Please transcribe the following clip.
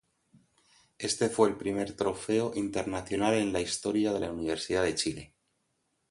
Este fue el primer trofeo internacional en la historia de la Universidad de Chile.